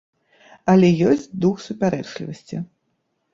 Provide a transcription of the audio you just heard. Але ёсць дух супярэчлівасці.